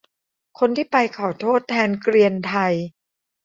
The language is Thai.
คนที่ไปขอโทษแทนเกรียนไทย